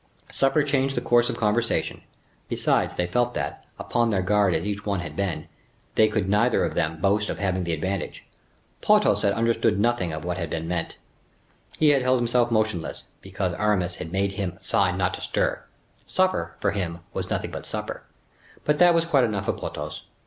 Supper changed the course of conversation. Besides, they felt that, upon their guard as each one had been, they could neither of them boast of having the advantage. Porthos had understood nothing of what had been meant. He had held himself motionless, because Aramis had made him a sign not to stir. Supper, for him, was nothing but supper; but that was quite enough for Porthos.